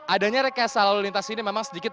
adanya rekayasa lalu lintas ini memang sedikit